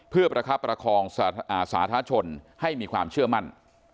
เพื่อประคับประคองสาธารณชนให้มีความเชื่อมั่น